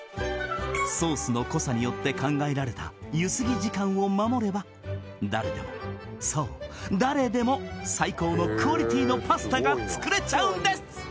ソースの濃さによって考えられたゆすぎ時間を守れば誰でもそう誰でも最高のクオリティーのパスタが作れちゃうんです！